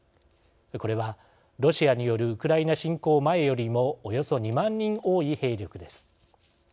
これは、ロシアによるウクライナ侵攻前よりもおよそ２万人多い兵力です。